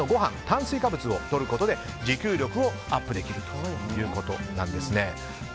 炭水化物を取ることで自給力をアップできるということなんです。